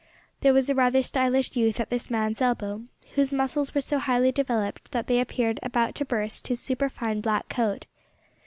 There was a rather stylish youth at this man's elbow whose muscles were so highly developed that they appeared about to burst his superfine black coat.